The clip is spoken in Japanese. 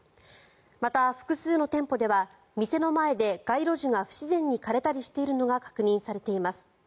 また、複数の店舗では店の前で街路樹が不自然に枯れたりしているのが確認されています。